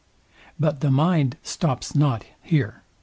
But the mind stops not here.